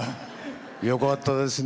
よかったですね。